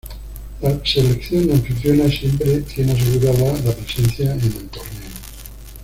La selección anfitriona siempre tiene asegurada la presencia en el torneo.